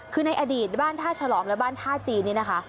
คือในอดีตบ้านท่าฉลองและบ้านท่าจีนนี่นะคะ